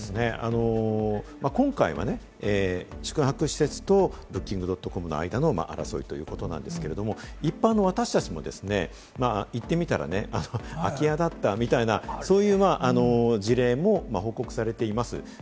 今回はね、宿泊施設とＢｏｏｋｉｎｇ．ｃｏｍの間の争いということですけれども、一般の私達も、行ってみたら空き家だったみたいな、そういう事例も報告されています。